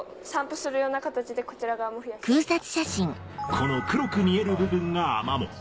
この黒く見える部分がアマモ。